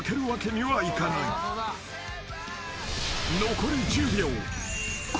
［残り１０秒］